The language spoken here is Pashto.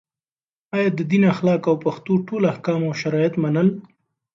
او د دین اخلاق او پښتو ټول احکام او شرایط منل